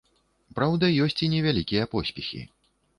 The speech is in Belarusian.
Праўда, ёсць і невялікія поспехі.